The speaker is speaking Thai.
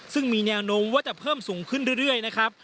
ซึ่งมีแนวโน้มว่าจะเพิ่มสูงขึ้นเรื่อยนะครับ